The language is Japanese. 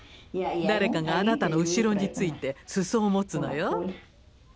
誰かがあなたの後ろについてすそを持つのよ。